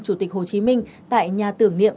chủ tịch hồ chí minh tại nhà tưởng niệm